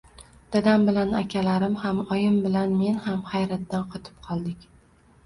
Dadam bilan akalarim ham, oyim bilan men ham hayratdan qotib qoldik.